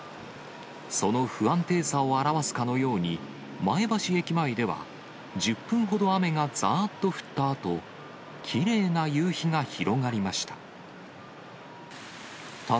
その不安定さを表すかのように、前橋駅前では１０分ほど雨がざーっと降ったあと、きれいな夕日が広がりました。